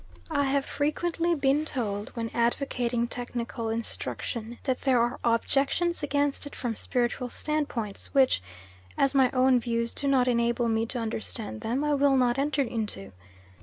I have frequently been told when advocating technical instruction, that there are objections against it from spiritual standpoints, which, as my own views do not enable me to understand them, I will not enter into.